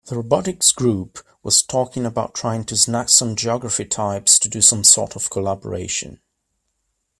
The robotics group was talking about trying to snag some geography types to do some sort of collaboration.